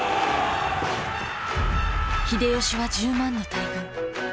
秀吉は１０万の大軍。